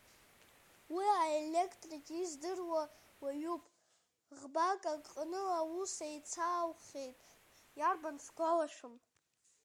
Уи аелектрик издыруа уаҩуп, ӷбак аҟны аус еицааухьеит иарбан сгәалашәом.